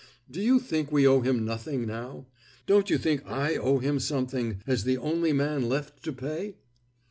Do you think we owe him nothing now? Don't you think I owe him something, as the only man left to pay?"